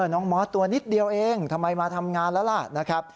น้องมอสตัวนิดเดียวเองทำไมมาทำงานแล้วล่ะนะครับ